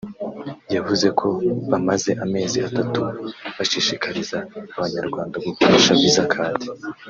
yavuze ko bamaze amezi atatu bashishikariza Abanyarwanda gukoresha Visa Card